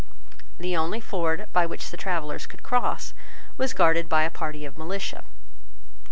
The only ford by which the travellers could cross was guarded by a party of militia.